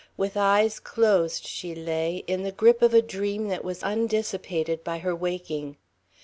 With closed eyes she lay, in the grip of a dream that was undissipated by her waking.